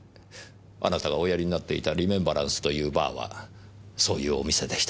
あなたがおやりになっていた「リメンバランス」というバーはそういうお店でしたね。